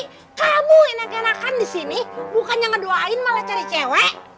tapi kamu yang nganakan di sini bukannya ngedoain malah cari cewek